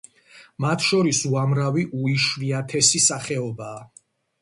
მათ შორის უამრავი უიშვიათესი სახეობაა.